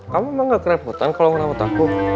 kamu emang nggak kerebutan kalau ngerawat aku